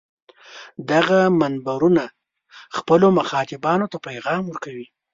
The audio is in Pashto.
دغه منبرونه خپلو مخاطبانو ته پیغام ورکوي.